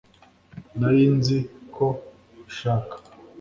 nari nzi ko ubishaka